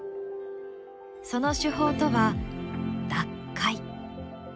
その手法とは脱灰。